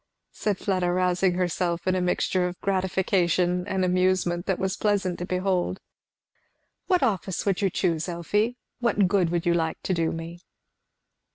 said Fleda, rousing herself in a mixture of gratification and amusement that was pleasant to behold. "What office would you choose, Elfie? what good would you like to do me?"